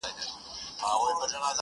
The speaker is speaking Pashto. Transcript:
دغه انسان بېشرفي په شرافت کوي,